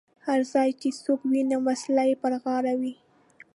هر ځای چې څوک وینم وسله یې پر غاړه وي.